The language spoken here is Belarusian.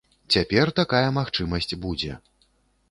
Цяпер такая магчымасць будзе.